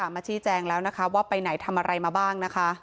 มาชี้แจงแล้วนะคะว่าไปไหนทำอะไรมาบ้างนะคะ